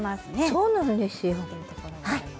そうなんですよ。